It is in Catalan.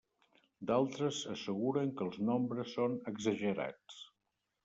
D'altres asseguren que els nombres són exagerats.